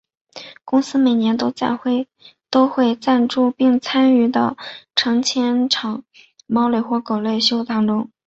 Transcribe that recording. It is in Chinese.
公司每年都会赞助并参与到成千场猫类或狗类秀当中。